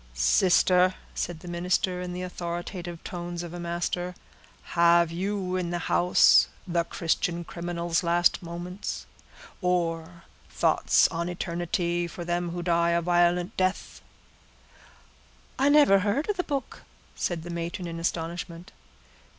"Sister," said the minister, in the authoritative tones of a master, "have you in the house `The Christian Criminal's last Moments, or Thoughts on Eternity, for them who die a violent Death'?" "I never heard of the book!" said the matron in astonishment.